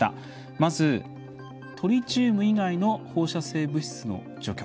まず、トリチウム以外の放射性物質の除去。